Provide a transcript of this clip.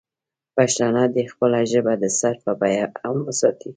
پښتانه دې خپله ژبه د سر په بیه هم وساتي.